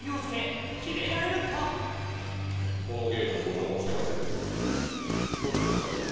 このゲームご所望してましたけどどうでしょうか？